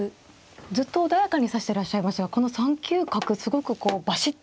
ずっと穏やかに指していらっしゃいましたがこの３九角すごくこうバシッという。